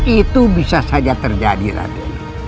itu bisa saja terjadi nanti